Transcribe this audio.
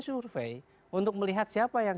survei untuk melihat siapa yang